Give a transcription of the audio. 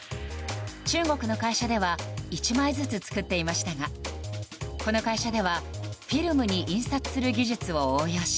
中国の会社では１枚ずつ作っていましたがこの会社ではフィルムに印刷する技術を応用し